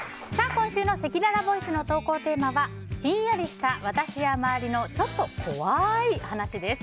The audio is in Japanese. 今週のせきららボイスの投稿テーマはヒンヤリした私や周りのちょっと怖い話です。